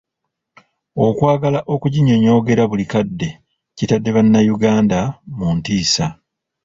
Okwagala okuginyonyogera buli kadde kitadde bannayuganda mu ntiisa.